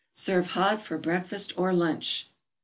Serve hot for breakfast or lunch.